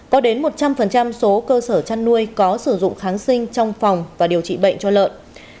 có đến một trăm linh số cơ sở chăn nuôi có sử dụng kháng sinh trong phòng và điều trị bệnh cho lợn